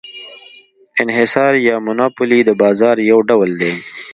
انحصار یا monopoly د بازار یو ډول دی.